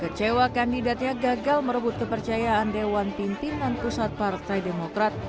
kecewa kandidatnya gagal merebut kepercayaan dewan pimpinan pusat partai demokrat